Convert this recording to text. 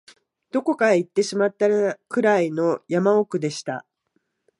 どこかへ行ってしまったくらいの山奥でした